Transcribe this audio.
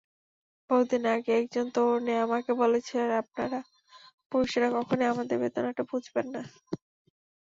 বহুদিন আগে একজন তরুণী আমাকে বলেছিলেন, আপনারা, পুরুষেরা কখনোই আমাদের বেদনাটা বুঝবেন না।